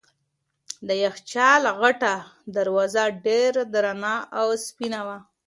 د یخچال غټه دروازه ډېره درنه او سپینه وه.